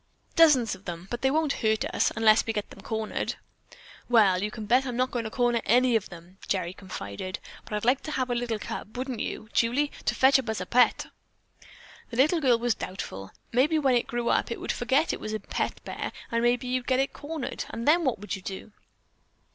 Dozens of them, but they won't hurt us, unless we get them cornered." "Well, you can bet I'm not going to corner any of them," Gerry confided. "But I'd like to have a little cub, wouldn't you, Julie, to fetch up for a pet?" The little girl was doubtful. "Maybe, when it grew up, it would forget it was a pet bear, and maybe you'd get it cornered, and then what would you do?"